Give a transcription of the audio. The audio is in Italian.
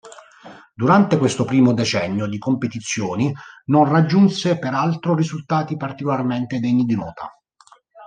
Durante questo primo decennio di competizioni non raggiunse peraltro risultati particolarmente degni di nota.